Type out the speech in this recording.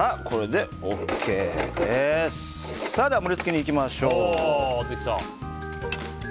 では盛り付けに行きましょう。